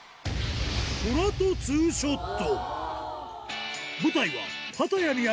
トラと２ショット。